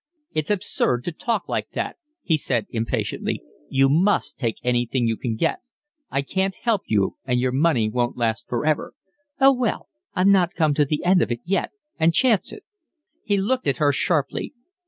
"It's absurd to talk like that," he said impatiently. "You must take anything you can get. I can't help you, and your money won't last for ever." "Oh, well, I've not come to the end of it yet and chance it." He looked at her sharply.